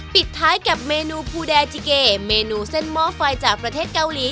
ปิดท้ายกับเมนูภูแดจิเกเมนูเส้นหม้อไฟจากประเทศเกาหลี